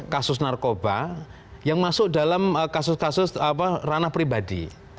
kasus narkoba yang masuk dalam kasus kasus ranah pribadi